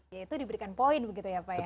yaitu diberikan poin begitu ya pak ya